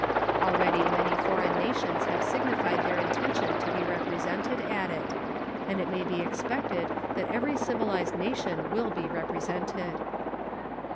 Already many foreign nations have signified their intention to be represented at it, and it may be expected that every civilized nation will be represented.